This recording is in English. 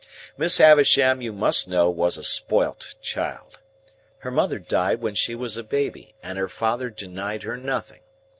Miss Havisham, you must know, was a spoilt child. Her mother died when she was a baby, and her father denied her nothing.